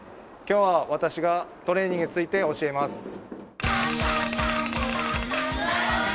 今日は私がトレーニングについて教えます。